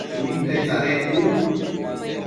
Shuinte tsadec u